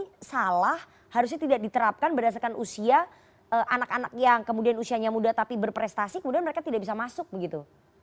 ini salah harusnya tidak diterapkan berdasarkan usia anak anak yang kemudian usianya muda tapi berprestasi kemudian mereka tidak bisa masuk begitu